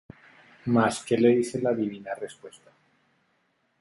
Mas ¿qué le dice la divina respuesta?